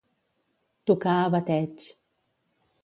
Tocar a bateig.